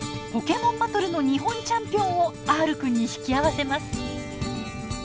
ポケモンバトルの日本チャンピオンをＲくんに引き合わせます。